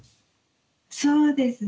そうですね。